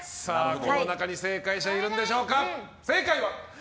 この中に正解者いるのでしょうか。